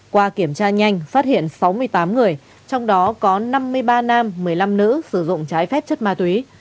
qua kiểm tra nhanh phát hiện sáu mươi tám người trong đó có năm mươi ba nam một mươi năm nữ sử dụng trái phép chất ma túy